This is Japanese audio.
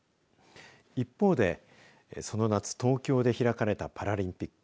一方で、その夏東京で開かれたパラリンピック